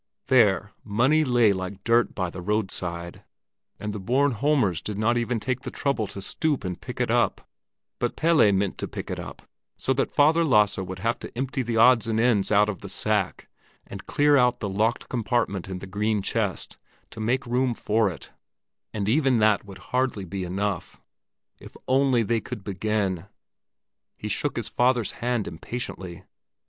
There money lay like dirt by the roadside, and the Bornholmers did not even take the trouble to stoop and pick it up; but Pelle meant to pick it up, so that Father Lasse would have to empty the odds and ends out of the sack and clear out the locked compartment in the green chest to make room for it; and even that would be hardly enough. If only they could begin! He shook his father's hand impatiently.